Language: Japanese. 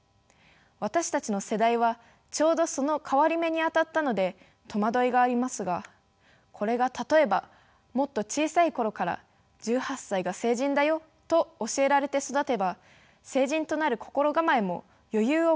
私たちの世代はちょうどその変わり目に当たったので戸惑いがありますがこれが例えばもっと小さい頃から「１８歳が成人だよ」と教えられて育てば成人となる心構えも余裕を持ってできるでしょう。